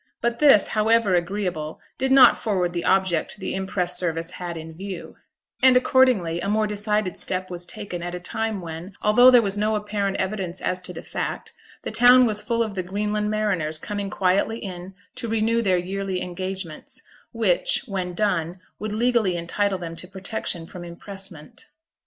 But this, however agreeable, did not forward the object the impress service had in view; and, accordingly, a more decided step was taken at a time when, although there was no apparent evidence as to the fact, the town was full of the Greenland mariners coming quietly in to renew their yearly engagements, which, when done, would legally entitle them to protection from impressment.